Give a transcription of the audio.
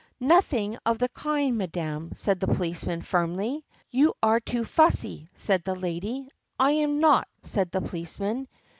"Nothing of the kind, madam," said the policeman firmly. "You are too fussy," said the lady. "I am not," said the policeman.